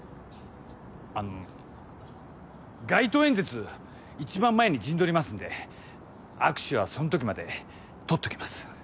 あの街頭演説一番前に陣取りますんで握手はその時まで取っておきます。